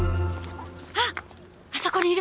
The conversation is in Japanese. あっあそこにいるわよ。